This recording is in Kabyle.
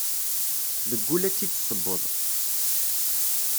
Deg ul ad tt-id ssewweḍ.